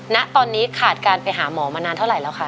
ณตอนนี้ขาดการไปหาหมอมานานเท่าไหร่แล้วคะ